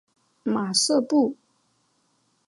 马瑟布。